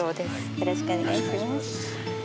よろしくお願いします。